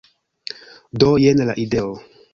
Do, jen la ideo